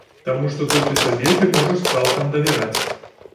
Таму што толькі сабе ты можаш цалкам давяраць.